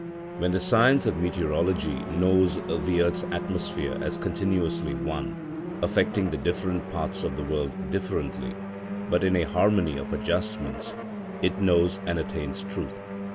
When the science of meteorology knows the earth's atmosphere as continuously one, affecting the different parts of the world differently, but in a harmony of adjustments, it knows and attains truth.